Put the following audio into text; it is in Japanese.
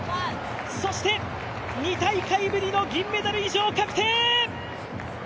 そして２大会ぶりの銀メダル以上確定！